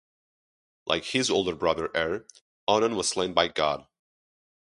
Like his older brother Er, Onan was slain by God.